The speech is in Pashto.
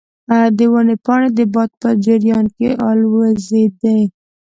د ونې پاڼې د باد په جریان کې الوزیدې.